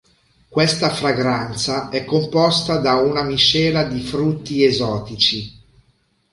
Questa fragranza è composta da una miscela di frutti esotici.